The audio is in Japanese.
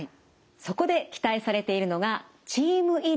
そこで期待されているのがチーム医療による治療です。